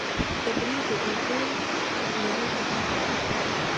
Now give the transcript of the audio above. ابنا د اوبو نری طبیعي بهیر دی.